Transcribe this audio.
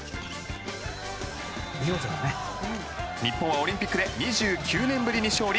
日本はオリンピックで２９年ぶりに勝利。